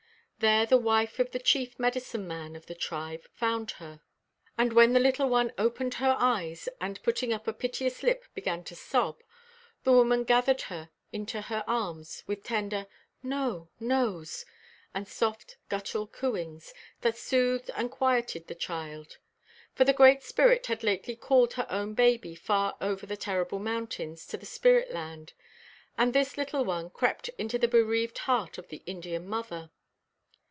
There the wife of the chief medicine man of the tribe found her; and when the little one opened her eyes, and, putting up a piteous lip, began to sob, the woman gathered her into her arms with tender "No, no's" and soft guttural cooings, that soothed and quieted the child. For the Great Spirit had lately called her own baby "far over the terrible mountains" to the spirit land. And this little one crept into the bereaved heart of the Indian mother.